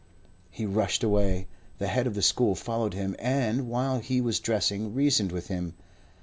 He rushed away. The head of the school followed him and, while he was dressing, reasoned with him.